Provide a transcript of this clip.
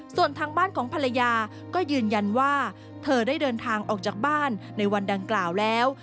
ส่วนทางบ้านของภรรยาก็ยืนยันว่าเธอได้เดินทางออกจากบ้านในวันดังกล่าวแล้ว